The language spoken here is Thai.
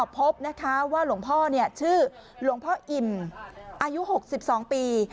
พบนะคะว่าหลวงพ่อเนี่ยชื่อหลวงพ่ออิ่มอายุหกสิบสองปี